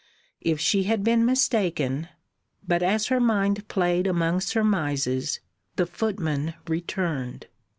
If she had been mistaken but as her mind played among surmises, the footman returned.